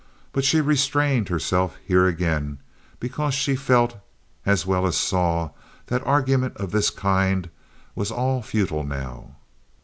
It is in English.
But she restrained herself here again, because she felt as well as saw, that argument of this kind was all futile now.